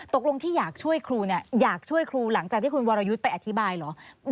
ตกลงที่อยากช่วยครูเนี่ยอยากช่วยครูหลังจากที่คุณวรยุทธ์ไปอธิบายเหรอ